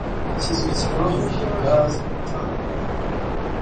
ikizu kivamo gaz metane